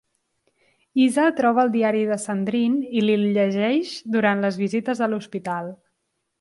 Isa troba el diari de Sandrine i li'l llegeix durant les visites a l'hospital.